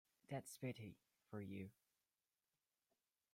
That's Betty for you.